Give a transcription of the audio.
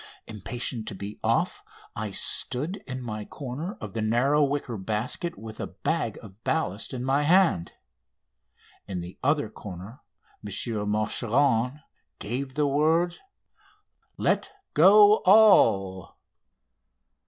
Impatient to be off, I stood in my corner of the narrow wicker basket with a bag of ballast in my hand. In the other corner M. Machuron gave the word: "Let go all!"